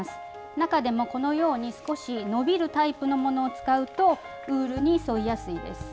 中でもこのように少し伸びるタイプのものを使うとウールに沿いやすいです。